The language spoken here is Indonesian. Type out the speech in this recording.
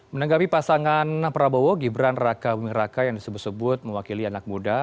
menanggapi pasangan prabowo gibran raka buming raka yang disebut sebut mewakili anak muda